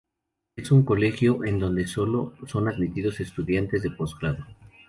Es un colegio en donde sólo son admitidos estudiantes de post-grado.